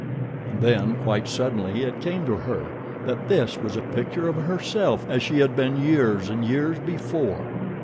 And then, quite suddenly, it came to her that this was a picture of herself as she had been years and years before.